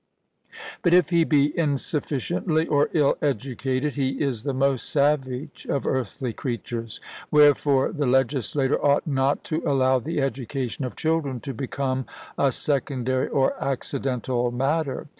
but if he be insufficiently or ill educated he is the most savage of earthly creatures. Wherefore the legislator ought not to allow the education of children to become a secondary or accidental matter.